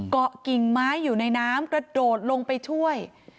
เกาะกิ่งไม้อยู่ในน้ำกระโดดลงไปช่วย